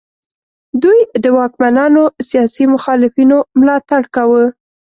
دوی د واکمنانو سیاسي مخالفینو ملاتړ کاوه.